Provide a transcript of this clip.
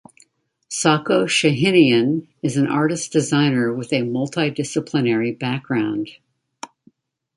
Sako Shahinian is an artist designer with a multi disciplinary background.